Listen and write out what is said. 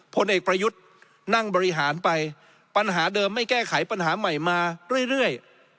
ผลเอกประยุทธ์นั่งบริหารไปปัญหาเดิมไม่แก้ไขปัญหาใหม่มาเรื่อย